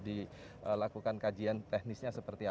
dilakukan kajian teknisnya seperti